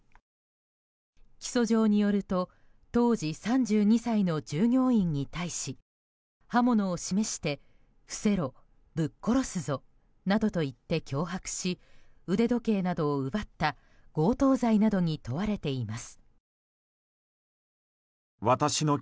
起訴状によると当時３２歳の従業員に対し刃物を示して、伏せろぶっ殺すぞなどと言って脅迫し腕時計などを奪った強盗罪などに問われています。